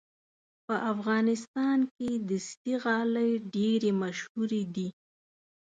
په افغانستان کې دستي غالۍ ډېرې مشهورې دي.